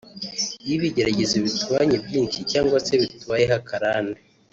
iyo ibigeragezo bitubanye byinshi cyangwa se bitubayeho akarande